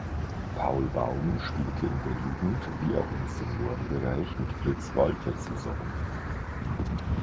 Paul Baum spielte in der Jugend wie auch im Seniorenbereich mit Fritz Walter zusammen.